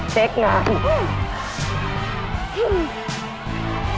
เช็คน้ำ